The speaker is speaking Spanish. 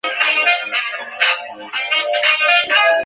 Ese es mi objetivo".